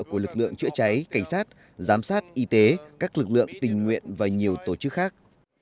của lực lượng chữa cháy cảnh sát giám sát y tế các lực lượng tình nguyện và nhiều tổ chức khác